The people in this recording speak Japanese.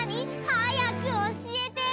はやくおしえて！